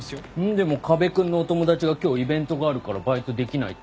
でも河辺君のお友達が今日イベントがあるからバイトできないって。